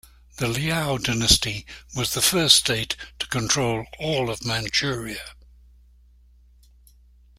The Liao dynasty was the first state to control all of Manchuria.